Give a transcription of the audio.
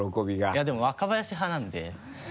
いやでも若林派なんで。